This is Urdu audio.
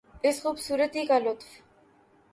اس خوبصورتی کا لطف